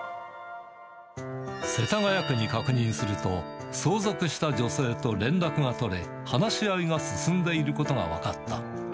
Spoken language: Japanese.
世田谷区に確認すると、相続した女性と連絡が取れ、話し合いが進んでいることが分かった。